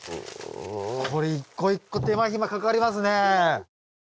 これ一個一個手間暇かかりますね。